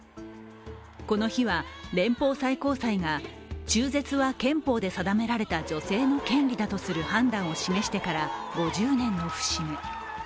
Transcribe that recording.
この日は連邦最高裁が中絶は憲法で定められた女性の権利だとする判断を示してから５０年の節目。